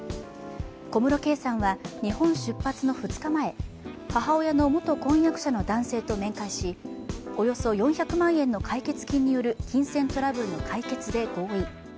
小室圭さんは日本出発の２日前母親の元婚約者の男性と面会し、およそ４００万円の解決金による金銭トラブルの解決に合意。